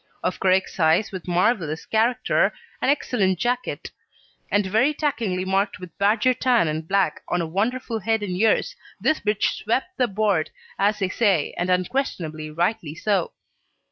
Of correct size, with marvellous character, an excellent jacket and very takingly marked with badger tan and black on a wonderful head and ears, this bitch swept the board, as they say, and unquestionably rightly so.